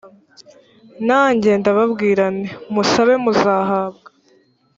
nanjye ndababwira nti musabe muzahabwa